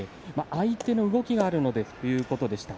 相手の動きがあるのでということでした。